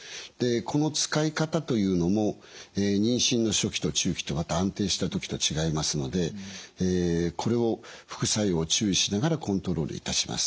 この使い方というのも妊娠の初期と中期とまた安定した時と違いますのでこれを副作用注意しながらコントロールいたします。